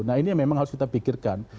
nah ini yang memang harus kita pikirkan